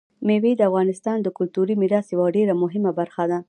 مېوې د افغانستان د کلتوري میراث یوه ډېره مهمه برخه ده.